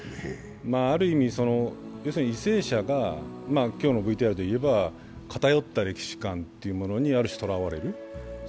ある意味、為政者が今日のＶＴＲでいえば偏った歴史観にとらわれる。